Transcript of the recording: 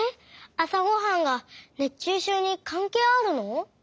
あさごはんが熱中症にかんけいあるの？